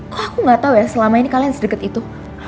kok aku gak tau ya selama ini kalian sedeket itu